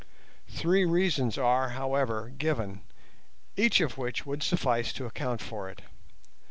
Three reasons are, however, given, each of which would suffice to account for it.